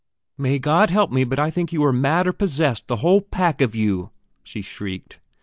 "May God help me, but I think you are mad or possessed, the whole pack of you!" she shrieked.